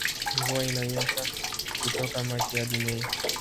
Mvua inanyesha kutoka machi hadi mei